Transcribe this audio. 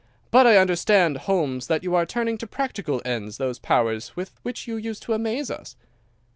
But I understand, Holmes, that you are turning to practical ends those powers with which you used to amaze us?